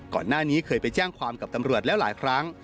ก่อนหน้านี้เคยไปแจ้งความกับตำรวจแล้วหลายครั้ง